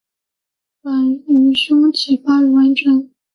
本鱼胸鳍发育完全。